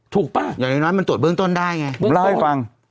ป่ะอย่างน้อยมันตรวจเบื้องต้นได้ไงผมเล่าให้ฟัง